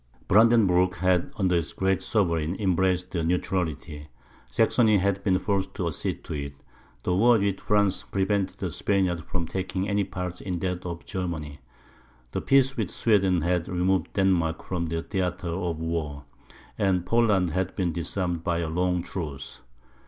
Brandenburg had, under its great sovereign, embraced the neutrality; Saxony had been forced to accede to it; the war with France prevented the Spaniards from taking any part in that of Germany; the peace with Sweden had removed Denmark from the theatre of war; and Poland had been disarmed by a long truce.